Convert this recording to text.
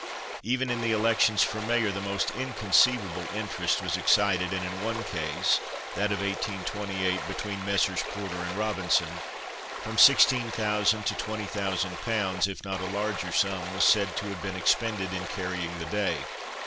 Even in the elections for mayor the most inconceivable interest was excited, and in one case, that of 1828, between Messrs. Porter and Robinson, from 16,000 to 20,000 pounds, if not a larger sum, was said to have been expended in carrying the day.